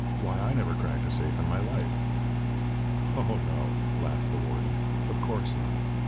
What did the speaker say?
"Why, I never cracked a safe in my life." "Oh, no," laughed the warden. "Of course not.